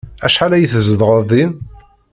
Acḥal ay tzedɣeḍ din?